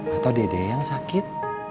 atau dede yang sakit